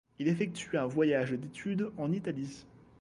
Il effectue un voyage d’étude en Italie.